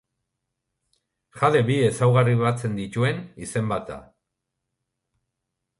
Jade bi ezaugarri batzen dituen izen bat da.